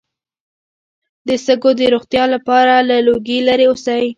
د سږو د روغتیا لپاره له لوګي لرې اوسئ